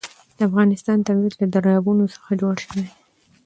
د افغانستان طبیعت له دریابونه څخه جوړ شوی دی.